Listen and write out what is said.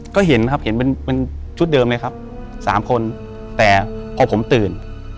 ก็เห็นครับเห็นเป็นชุดเดิมเลยครับสามคนแต่พอผมตื่น